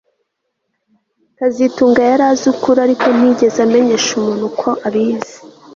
kazitunga yari azi ukuri ariko ntiyigeze amenyesha umuntu ko abizi